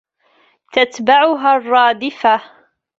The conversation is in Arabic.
تتبعها الرادفة